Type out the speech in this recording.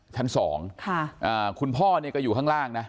ชั้นสองคุณพ่อเนี่ยก็อยู่ข้างล่างนะ